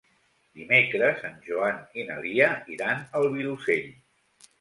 Dimecres en Joan i na Lia iran al Vilosell.